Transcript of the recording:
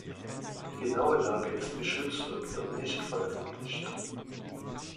Die genaue Lage ist geschützt und wird nicht veröffentlicht.